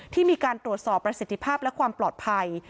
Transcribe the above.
ที่มีการตรวจสอบประสิทธิภาพและความปลอดภัย